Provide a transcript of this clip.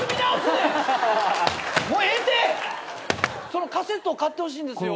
そのカセットを買ってほしいんですよ。